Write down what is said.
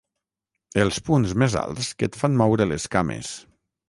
Els punts més alts que et fan moure les cames.